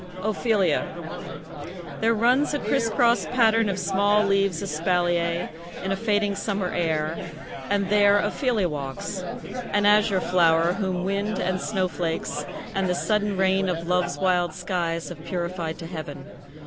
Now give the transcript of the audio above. OPHELIA There runs a crisscross pattern of small leaves Espalier, in a fading summer air, And there Ophelia walks, an azure flower, Whom wind, and snowflakes, and the sudden rain Of love's wild skies have purified to heaven.